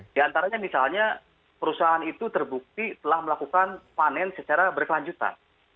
di antaranya misalnya perusahaan itu terbukti telah melakukan panen secara berkelanjutan